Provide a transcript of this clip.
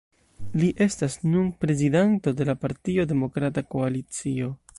Li estas nun prezidanto de la partio Demokrata Koalicio.